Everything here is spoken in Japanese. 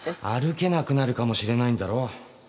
歩けなくなるかもしれないんだろ？